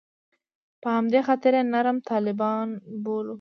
په همدې خاطر یې نرم طالبان وبولو.